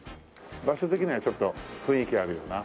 場所的にはちょっと雰囲気あるよな。